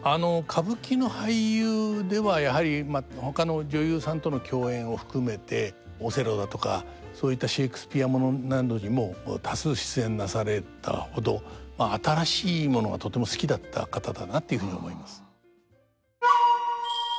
歌舞伎の俳優ではやはりほかの女優さんとの共演を含めて「オセロ」だとかそういったシェークスピア物などにも多数出演なされたほど新しいものがとても好きだった方だなというふうに思います。